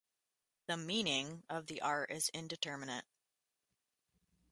The "meaning" of the art is indeterminate.